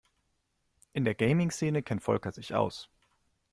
In der Gaming-Szene kennt Volker sich aus.